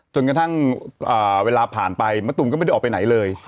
จนกระทั่งเวลาผ่านไปมะตูมก็ไม่ได้ออกไปไหนเลย